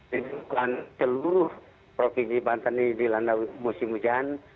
ditemukan seluruh provinsi banten ini dilanda musim hujan